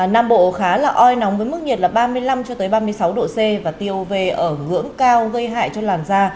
nam bộ khá là oi nóng với mức nhiệt là ba mươi năm ba mươi sáu độ c và tiêu uv ở ngưỡng cao gây hại cho làn da